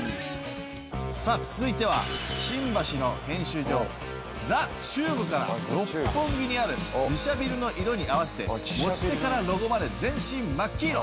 さあ続いては新橋の編集所ザ・チューブから六本木にある自社ビルの色に合わせて持ち手からロゴまで全身真っ黄色。